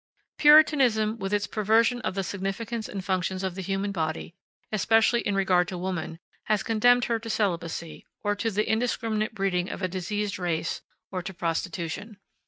Puritanism, with its perversion of the significance and functions of the human body, especially in regard to woman, has condemned her to celibacy, or to the indiscriminate breeding of a diseased race, or to prostitution.